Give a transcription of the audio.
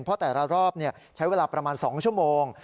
เพราะแต่ละรอบใช้เวลาประมาณ๒ชั่วโมง